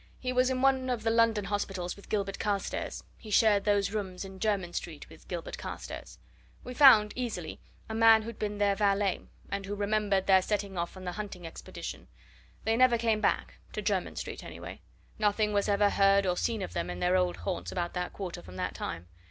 He was in one of the London hospitals with Gilbert Carstairs he shared those rooms in Jermyn Street with Gilbert Carstairs. We found easily a man who'd been their valet, and who remembered their setting off on the hunting expedition. They never came back to Jermyn Street, anyway. Nothing was ever heard or seen of them in their old haunts about that quarter from that time.